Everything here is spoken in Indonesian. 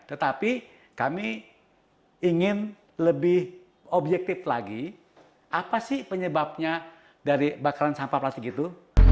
tetapi kami ingin lebih objektif lagi apa sih penyebabnya dari bakaran sampah plastik itu